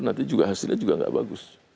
nanti hasilnya juga tidak bagus